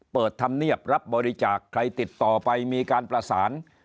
เปิดธรรมเนียบรับบริจาคใครติดต่อไปมีการประสาน